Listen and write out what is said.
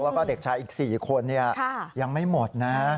แล้วก็เด็กชายอีก๔คนยังไม่หมดนะ